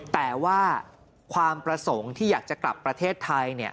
แต่ว่าความประสงค์ที่อยากจะกลับประเทศไทย